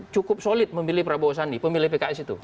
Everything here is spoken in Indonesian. cukup solid memilih prabowo sandi pemilih pks itu